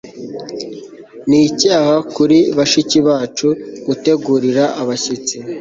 Ni icyaha kuri bashiki bacu gutegurira abashyitsi